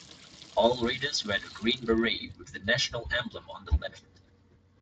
All Raiders wear the green beret with the national emblem on the left.